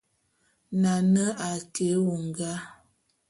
Nane a ke éwongá.